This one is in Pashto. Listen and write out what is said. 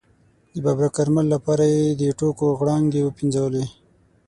د ببرک کارمل لپاره یې د ټوکو غړانګې وپنځولې.